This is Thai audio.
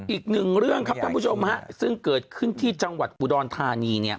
อีกหนึ่งเรื่องครับคุณผู้ชมซึ่งเกิดขึ้นที่จังหวัตกุฎอนทานี